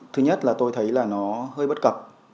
thứ nhất là tôi thấy nó hơi bất cập